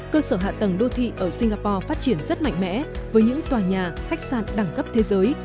cơ sở hạ tầng đô thị ở singapore phát triển rất mạnh mẽ với những tòa nhà khách sạn đẳng cấp thế giới